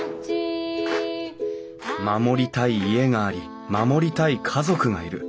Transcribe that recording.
守りたい家があり守りたい家族がいる。